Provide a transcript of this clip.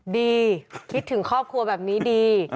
คิดถึงครอบครัวแบบนี้ดี